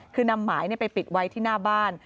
คือนำหมายไปปิดไว้ที่หน้าบ้าน